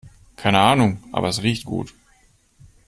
Keine Ahnung, aber es riecht gut.